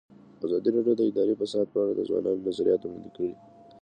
ازادي راډیو د اداري فساد په اړه د ځوانانو نظریات وړاندې کړي.